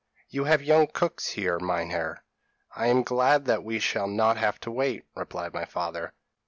'You have young cooks here, Meinheer.' 'I am glad that we shall not have to wait,' replied my father.